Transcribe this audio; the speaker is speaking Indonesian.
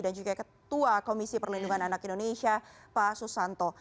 dan juga ketua komisi perlindungan anak indonesia pak susanto